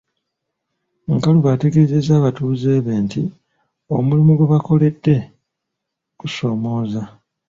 Nkalubo ategeezezza abatuuze be nti omulimu gwe boolekedde gusoomooza.